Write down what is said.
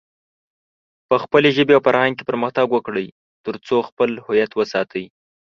په خپلې ژبې او فرهنګ کې پرمختګ وکړئ، ترڅو خپل هويت وساتئ.